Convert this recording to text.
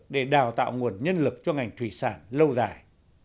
để đào tạo nguồn nhân lực cho ngành thủy sản lâu dài